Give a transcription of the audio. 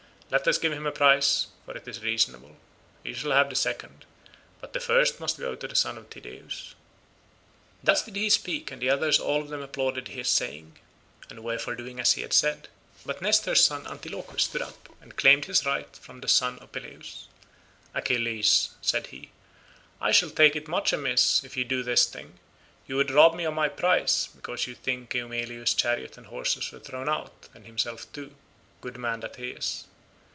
Let us give him a prize for it is reasonable. He shall have the second, but the first must go to the son of Tydeus." Thus did he speak and the others all of them applauded his saying, and were for doing as he had said, but Nestor's son Antilochus stood up and claimed his rights from the son of Peleus. "Achilles," said he, "I shall take it much amiss if you do this thing; you would rob me of my prize, because you think Eumelus's chariot and horses were thrown out, and himself too, good man that he is.